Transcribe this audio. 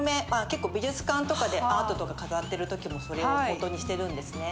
結構美術館とかでアートとか飾ってるときもそれをもとにしてるんですね。